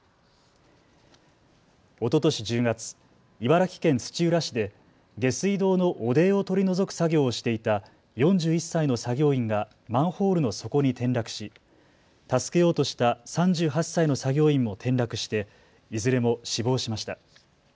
おととし１０月、茨城県土浦市で下水道の汚泥を取り除く作業をしていた４１歳の作業員がマンホールの底に転落し助けようとした３８歳の作業員も転落していずれも死亡しました。